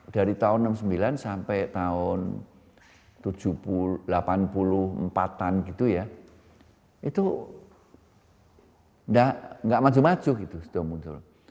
dari tahun seribu sembilan ratus enam puluh sembilan sampai tahun seribu delapan puluh empat an gitu ya itu nggak maju maju gitu sudah muncul